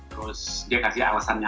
terus dia kasih alasannya